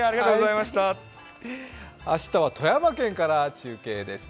明日は富山県から中継です。